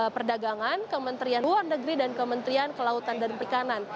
perdagangan kementerian luar negeri dan kementerian kelautan dan perikanan